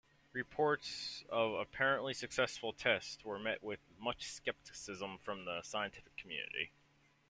Reports of apparently successful tests were met with much skepticism from the scientific community.